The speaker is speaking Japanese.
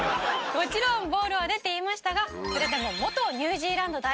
「もちろんボールは出ていましたがそれでも元ニュージーランド代表